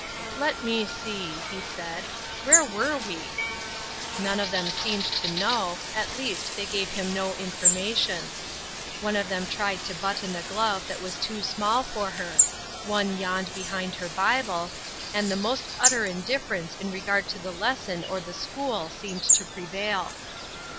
"Let me see," he said, "where were we?" None of them seemed to know; at least they gave him no information. One of them tried to button a glove that was too small for her; one yawned behind her Bible, and the most utter indifference in regard to the lesson or the school seemed to prevail.